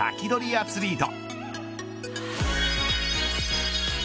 アツリート。